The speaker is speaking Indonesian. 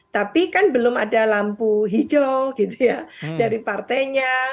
tapi kan belum ada lampu hijau dari partainya